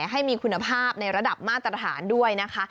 ให้มีคุณภาพในระดับมาตรฐานด้วยนะคะ